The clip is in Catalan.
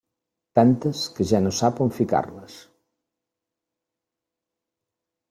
Tantes, que ja no sap on ficar-les.